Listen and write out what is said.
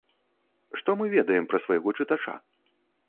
Што мы ведаем пра свайго чытача?